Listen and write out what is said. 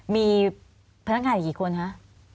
พนักงานอาจยิกก่อนครับ